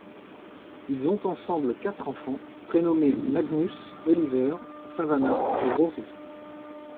Ils ont ensemble quatre enfants prénommés Magnus, Oliver, Savannah et Rory.